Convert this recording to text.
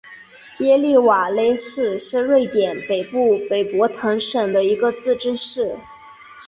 耶利瓦勒市是瑞典北部北博滕省的一个自治市。